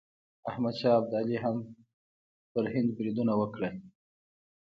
احمد شاه ابدالي هم په هند بریدونه وکړل.